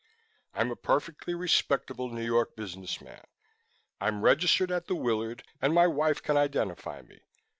"I'm a perfectly respectable New York business man. I'm registered at the Willard and my wife can identify me.